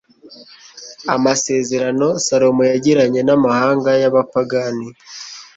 amasezerano salomo yagiranye n'amahanga y'abapagani